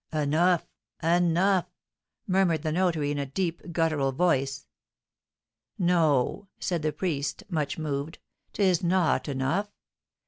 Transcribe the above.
"Enough! Enough!" murmured the notary, in a deep, guttural voice. "No," said the priest, much moved, "'tis not enough!